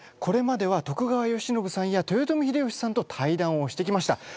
これまでは徳川慶喜さんや豊臣秀吉さんと対談をしてきました。